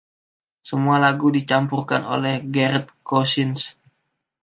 Semua lagu dicampurkan oleh Gareth Cousins.